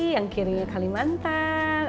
yang kirinya kalimantan